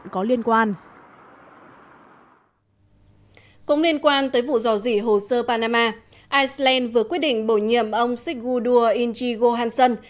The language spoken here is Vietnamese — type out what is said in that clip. cũng liên quan tới vụ do dị hồ sơ panama iceland vừa quyết định bổ nhiệm ông sigurdur ingi gohansson